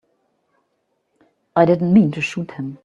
I didn't mean to shoot him.